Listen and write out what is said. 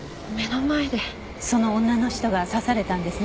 その女の人が刺されたんですね？